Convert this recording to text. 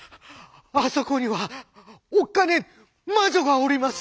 「あそこにはおっかねえ魔女がおりますよ。